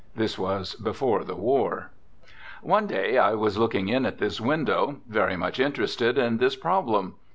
(This was before the war.) One day I was looking in at this window, very much interested in this problem.